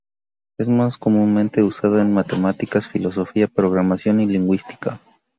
Es más comúnmente usada en matemáticas, filosofía, programación y lingüística.